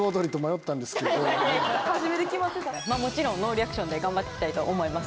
もちろんノーリアクションで頑張ってきたいと思います。